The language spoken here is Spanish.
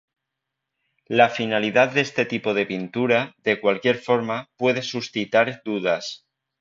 La finalidad de este tipo de pintura, de cualquier forma, puede suscitar dudas.